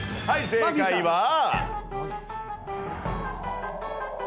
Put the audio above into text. はい、正解は。